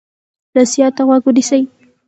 نصیحت ته غوږ ونیسئ.